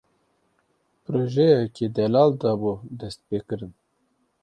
Projeyeke delal dabû destpêkirin.